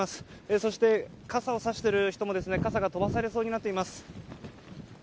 そして、傘をさしている人も傘が飛ばされそうになっています。